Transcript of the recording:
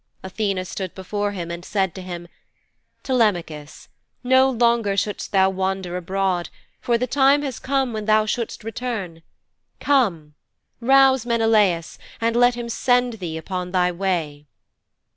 Athene stood before his bed and said to him, 'Telemachus, no longer shouldst thou wander abroad, for the time has come when thou shouldst return. Come. Rouse Menelaus, and let him send thee upon thy way.'